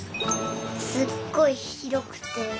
すっごいひろくて。